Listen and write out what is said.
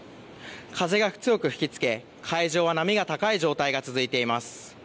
風が強く吹きつけ海上は波が高い状態が続いています。